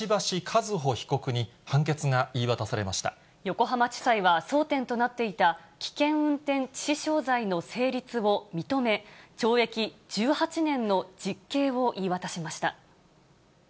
和歩被告に判決が言い渡さ横浜地裁は、争点となっていた危険運転致死傷罪の成立を認め、懲役１８年の実刑を言い渡しました。